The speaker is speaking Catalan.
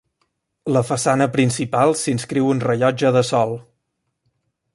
La façana principal s'inscriu un rellotge de sol.